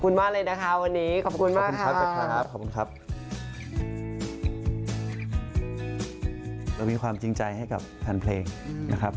มีความจริงใจให้กับแฟนเพลงนะครับ